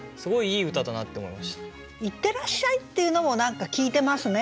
「いってらっしゃい」っていうのも何か効いてますね。